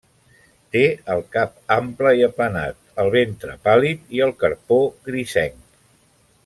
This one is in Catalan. Té el cap ample i aplanat, el ventre pàl·lid, i el carpó grisenc.